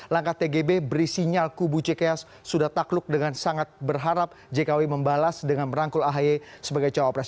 langkah tgb beri sinyal kubu cks sudah takluk dengan sangat berharap jkw membalas dengan merangkul ahy sebagai cawapres